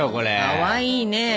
かわいいね。